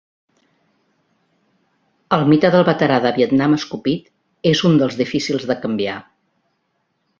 El mite del veterà de Vietnam escopit, és un dels difícils de canviar.